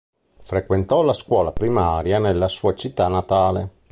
Frequentò la scuola primaria nella sua città natale.